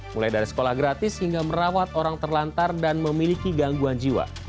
mulai dari sekolah gratis hingga merawat orang terlantar dan memiliki gangguan jiwa